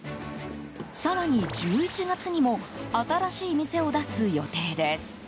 更に１１月にも新しい店を出す予定です。